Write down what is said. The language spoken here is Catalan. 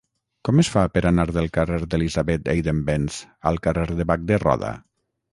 Com es fa per anar del carrer d'Elisabeth Eidenbenz al carrer de Bac de Roda?